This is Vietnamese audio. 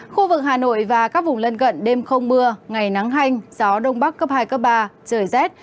khu vực hà nội và các vùng lân cận đêm không mưa ngày nắng hanh gió đông bắc cấp hai cấp ba trời rét